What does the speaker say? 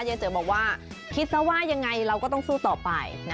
เจอบอกว่าคิดซะว่ายังไงเราก็ต้องสู้ต่อไป